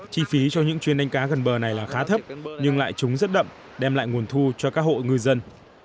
chi phí cho những chuyến đánh cá gần bờ này là khá thấp nhưng lại trúng rất đậm đem lại nguồn thu cho các hộ ngư dân